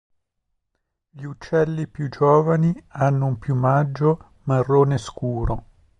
Gli uccelli più giovani hanno un piumaggio marrone scuro.